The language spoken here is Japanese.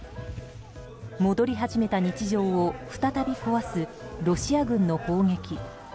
戻り始めた日常を再び壊すロシア軍の攻撃。